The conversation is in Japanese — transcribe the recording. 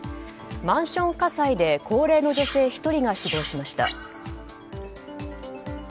マンション火災で高齢の女性１人が死亡しました。